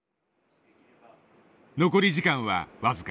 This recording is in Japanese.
残り時間は僅か。